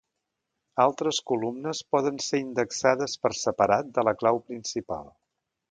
Altres columnes poden ser indexades per separat de la clau principal.